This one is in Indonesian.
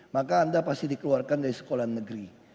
maka anda pasti dikeluarkan dari sekolah negeri